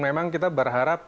memang kita berharap